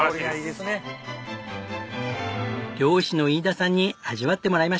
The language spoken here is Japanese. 漁師の飯田さんに味わってもらいましょう！